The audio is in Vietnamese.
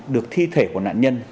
được thi thể của nạn nhân